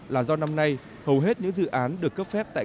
là do năm nay hầu hết những dự án được cấp phát triển